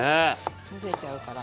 むせちゃうから。